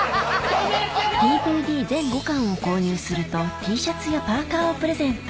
ＤＶＤ全５巻を購入するとＴシャツやパーカーをプレゼント